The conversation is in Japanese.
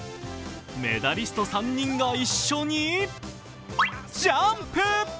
メダリスト３人が一緒にジャンプ。